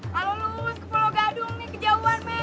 kalau lu urus ke pulau gadung nih kejauhan meh